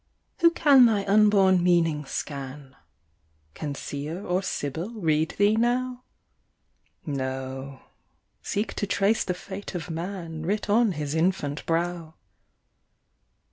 Who can thy unborn meaning scan? Can Seer or Sibyl read thee now? No, seek to trace the fate of man Writ on his infant brow.